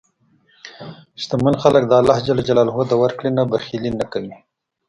شتمن خلک د الله د ورکړې نه بخیلي نه کوي.